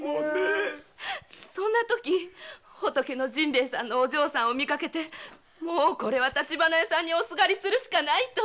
そんなとき仏の甚兵衛さんのお嬢さんを見かけてもう立花屋さんにおすがりするしかないと。